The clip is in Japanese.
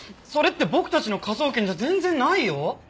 それって僕たちの科捜研じゃ全然ないよ！